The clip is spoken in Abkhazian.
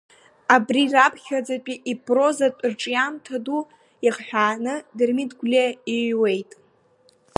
Абри раԥхьаӡатәи ипрозатә рҿиамҭа ду иахҳәааны Дырмит Гәлиа иҩуеит…